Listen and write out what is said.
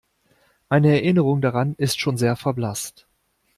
Meine Erinnerung daran ist schon sehr verblasst.